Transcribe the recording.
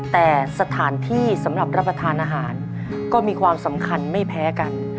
แต่สถานที่สำหรับรับประทานอาหารก็มีความสำคัญไม่แพ้กัน